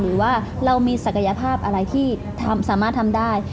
หรือว่าเรามีศักยภาพอะไรที่สามารถทำได้